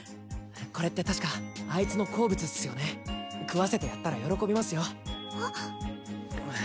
これって確かあいつの好物っすよね食わせてやったら喜びますよ